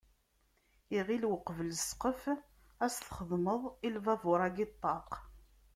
Iɣil uqbel ssqef, ad s-txedmeḍ i lbabur-agi ṭṭaq.